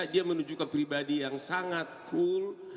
dia menunjukkan pribadi yang sangat cool